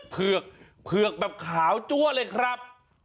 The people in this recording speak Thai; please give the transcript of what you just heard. เผือกเผือกแบบขาวจัวเลยครับ